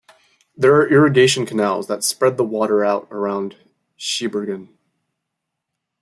There are irrigation canals that spread the water out around Sheberghan.